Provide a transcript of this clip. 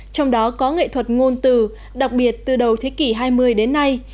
trong đó có nghệ thuật ngôn từ đặc biệt từ đầu thế kỷ hai mươi đến nay